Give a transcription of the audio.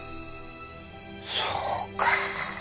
そうか。